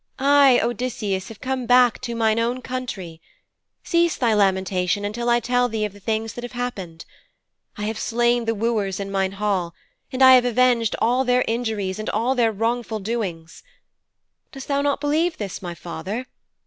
I, Odysseus, have come back to mine own country. Cease thy lamentation until I tell thee of the things that have happened. I have slain the wooers in mine hall, and I have avenged all their injuries and all their wrongful doings. Dost thou not believe this, my father?